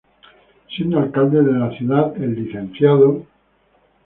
Siendo alcalde de la ciudad, el Lic.